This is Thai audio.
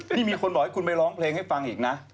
นี่มีคนบอกให้คุณไปร้องเพลงให้ฟังอีกนะ